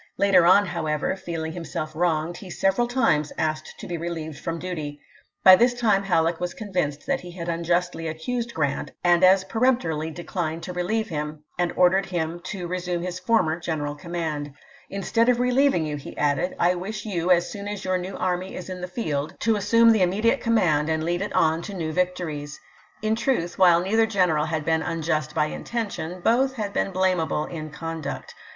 Later on, however, feeling himself wronged, he several times asked to be relieved from duty. By this time Halleck was convinced that he had unjustly accused Grant and Haiierk ^^ peremptorily declined to relieve him, and ordered MLrch'i*: hioa to resume his former general command. " In ^'^^oi. x.r*' stead of relieving you," he added, " I wish you, as p. 32. " soon as your new army is in the field, to assume THE SHILOH CAMPAIGN 313 the irmnediate command and lead it on to new vie ch. xviii. tories." In truth, while neither general had been "unjust by intention, both had been blamable in conduct.